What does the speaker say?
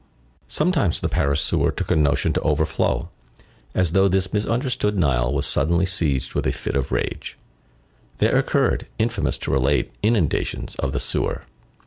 Sometimes the Paris sewer took a notion to overflow, as though this misunderstood Nile were suddenly seized with a fit of rage. There occurred, infamous to relate, inundations of the sewer.